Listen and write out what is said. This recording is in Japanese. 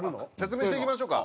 説明していきましょうか。